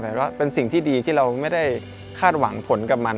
แต่ก็เป็นสิ่งที่ดีที่เราไม่ได้คาดหวังผลกับมัน